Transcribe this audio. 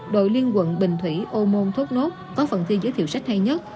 đội liên quận bình thủy ô môn thốt nốt có phần thi giới thiệu sách hay nhất